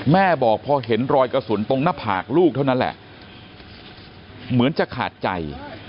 แม่บอกพอเห็นรอยกระสุนตรงหน้าผากลูกเท่านั้นแหละเหมือนจะขาดใจ